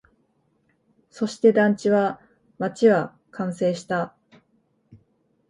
そして、団地は、街は完成した